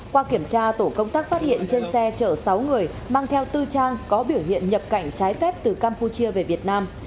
qua kiểm tra tổ công tác phát hiện trên xe chở sáu người mang theo tư trang có biểu hiện nhập cảnh trái phép từ campuchia về việt nam